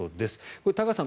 これ、高橋さん